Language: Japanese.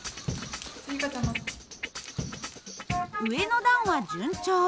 上の段は順調。